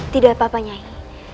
tidak papanya nyai